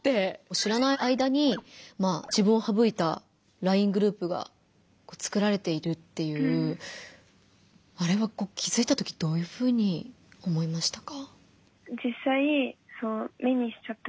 知らない間に自分を省いたＬＩＮＥグループが作られているっていうあれは気づいたときどういうふうに思いましたか？